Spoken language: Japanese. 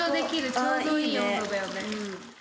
ちょうどいい温度だよね。